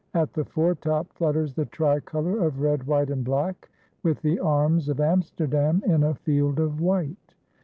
At the foretop flutters the tricolor of red, white, and black, with the arms of Amsterdam in a field of white.